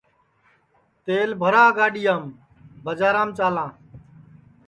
تیل بھرا گاڈؔیام ٻجارام چالاں